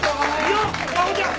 よっマホちゃん！